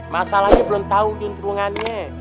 masalahnya belum tau cuntrungannya